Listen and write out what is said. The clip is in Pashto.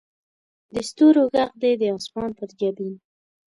د ستورو ږغ دې د اسمان پر جبین